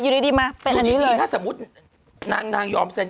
จบอยู่ดีมาเป็นอันนี้เลยอยู่ดีถ้าสมมุตินางยอมเซ็น